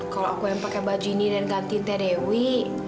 kalau aku yang pakai baju ini dan gantiin teh dewi